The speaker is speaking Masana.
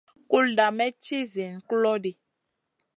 Kulda may ci ziyn kulo ɗi.